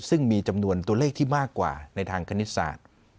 ซึ่งมีจำนวนตัวเลขที่มากกว่าในทางคณิตศาสตร์